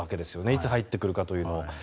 いつ入ってくるかというのを。